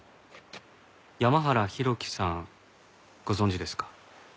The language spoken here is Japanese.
山原浩喜さんご存じですか？